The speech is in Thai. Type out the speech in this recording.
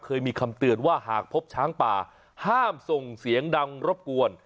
เคยมีคำเตือนว่าหากพบช้างป่าห้ามส่งเสียงดังรบกวน